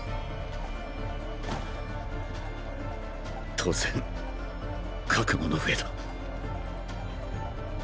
当然覚悟の上だ。